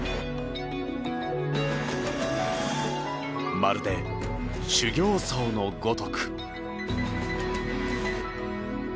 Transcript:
まるで修行僧のごとく。